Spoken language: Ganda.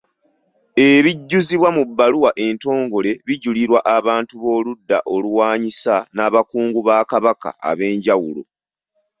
Ebijjuzibwa mu bbaluwa entongole bijulirwa abantu b’oludda oluwaanyisa n'abakungu ba Kabaka ab'enjawulo.